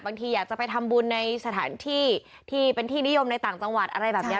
บางทีอยากจะไปทำบุญในสถานที่ที่เป็นที่นิยมในต่างจังหวัดอะไรแบบนี้